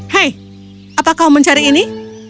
hei apa kau mencari ini